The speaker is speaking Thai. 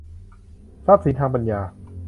ทรัพย์สินทางปัญญา